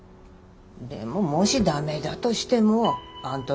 でももし駄目だとしてもあんだ